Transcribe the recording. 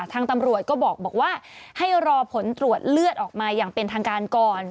ทางตำรวจก็บอกว่าให้รอผลตรวจเลือดออกมาอย่างเป็นทางการก่อน